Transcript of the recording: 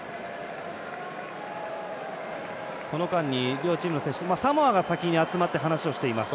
この間に両チームの選手サモアが先に集まって話をしています。